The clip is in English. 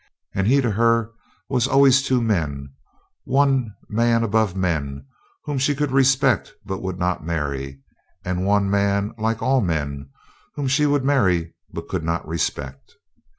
And he to her was always two men: one man above men, whom she could respect but would not marry, and one man like all men, whom she would marry but could not respect.